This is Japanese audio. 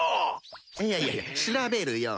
いやいやいや調べるよ。